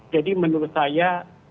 jadi menurut saya